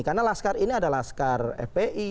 karena laskar ini ada laskar fpi